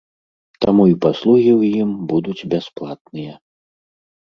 Таму і паслугі ў ім будуць бясплатныя.